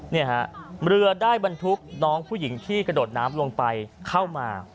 เนี่ยฮะเรือได้บรรทุกน้องผู้หญิงที่กระโดดน้ำลงไปเข้ามา